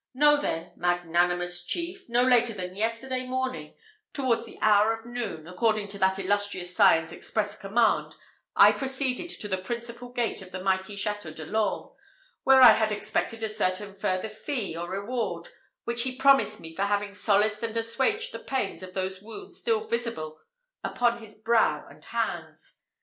Know, then, magnanimous chief, no later than yesterday morning, towards the hour of noon, according to that illustrious scion's express command, I proceeded to the principal gate of the mighty Château de l'Orme, where I had expected a certain further fee or reward, which he promised me for having solaced and assuaged the pains of those wounds still visible upon his brow and hands.